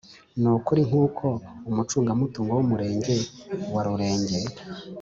Ni ukuri nkuko Umucungamutungo w’Umurenge wa Rulenge